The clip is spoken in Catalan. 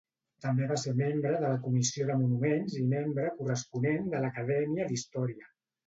També va ser membre de la Comissió de Monuments i membre corresponent de l'Acadèmia d'Història.